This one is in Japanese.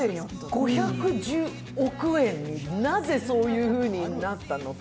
５１０億円、なぜそういうふうになったのか。